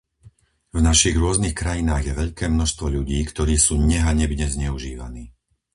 V našich rôznych krajinách je veľké množstvo ľudí, ktorí sú nehanebne zneužívaní.